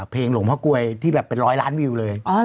เพลงหลวงพ่อกลวยที่แบบเป็นร้อยล้านวิวเลย